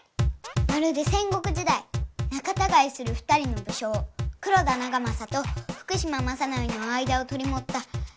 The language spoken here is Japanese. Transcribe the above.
まるで戦国時代なかたがいする２人の武将黒田長政と福島正則の間をとりもった竹中重利のよう。